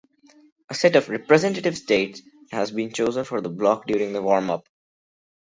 A set of "representative states" has been chosen for the block during the warmup.